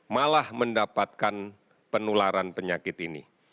malah mendapatkan penularan penyakit ini